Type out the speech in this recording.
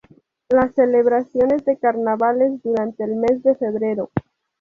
Las celebraciones de carnavales durante el mes de febrero